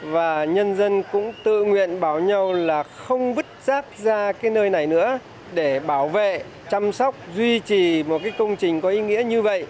và nhân dân cũng tự nguyện bảo nhau là không vứt rác ra nơi này nữa để bảo vệ chăm sóc duy trì một công trình có ý nghĩa như vậy